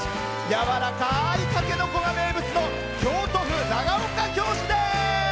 やわらかいたけのこが名物の京都府長岡京市です。